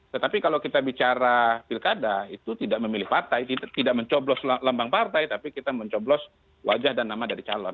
tetapi kalau kita bicara pilkada itu tidak memilih partai tidak mencoblos lambang partai tapi kita mencoblos wajah dan nama dari calon